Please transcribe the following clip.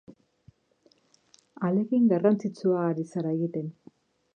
Ahalegin garrantzitsua ari zara egiten.